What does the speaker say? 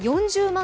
４０万